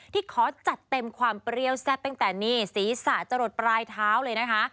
ขอจัดเต็มความเปรี้ยวแซ่บตั้งแต่นี่ศีรษะจะหลดปลายเท้าเลยนะคะ